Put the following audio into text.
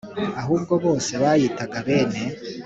Ahubwo bose biyitaga bene